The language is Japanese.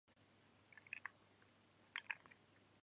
糸が切れた凧のようにあてもなく、団地の中をさまよい歩いた